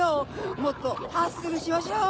もっとハッスルしましょう！